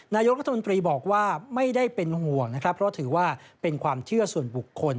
นายกรัฐมนตรีบอกว่าไม่ได้เป็นห่วงนะครับเพราะถือว่าเป็นความเชื่อส่วนบุคคล